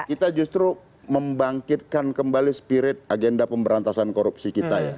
kita justru membangkitkan kembali spirit agenda pemberantasan korupsi kita ya